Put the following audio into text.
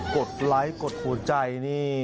กฎไร้กฎหัวใจนี่